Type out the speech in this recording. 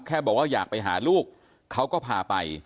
แค่บอกว่าอยากไปหาลูกเขาก็พาไป